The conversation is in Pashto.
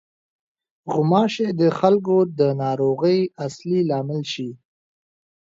غوماشې د خلکو د ناروغۍ اصلي لامل شي.